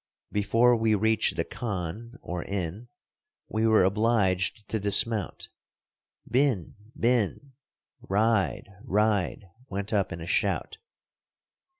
Before we reached the khan, or inn, we were obliged to dismount. "Bin! bin!" ("Ride! ride!") went up in a shout.